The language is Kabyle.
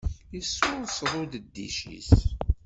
Yessurseḍ udeddic-is.